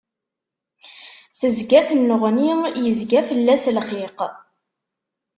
Tezga tennuɣni, yezga fell-as lxiq.